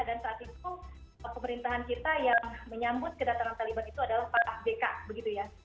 dan saat itu pemerintahan kita yang menyambut kedatangan taliban itu adalah pak afdeka begitu ya